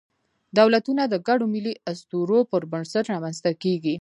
دولتونه د ګډو ملي اسطورو پر بنسټ رامنځ ته کېږي.